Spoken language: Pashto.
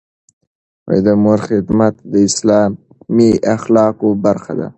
د مور خدمت د اسلامي اخلاقو برخه ده.